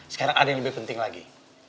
sekarang ada yang lebih penting lagi